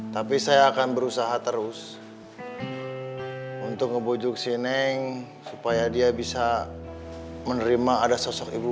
tapi saya akan berusaha terus untuk ngebujuk sining supaya dia bisa menerima ada sosok ibu